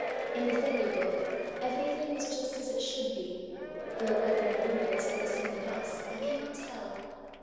In the fairy book, everything was just as it should be, though whether in words or something else, I cannot tell.